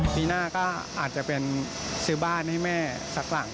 ปีหน้าก็อาจจะเป็นซื้อบ้านให้แม่สักหลัง